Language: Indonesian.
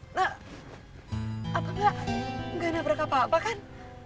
apa pula gak ada berapa apa kan